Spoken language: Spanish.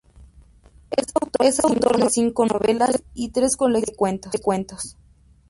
Es autor de cinco novelas y tres colecciones de cuentos.